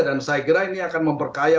saya kira ini akan memperkaya